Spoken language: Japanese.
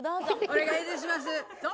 お願いいたします。